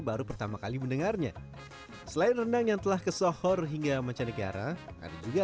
baru pertama kali mendengarnya selain rendang yang telah ke sohor hingga mancanegara juga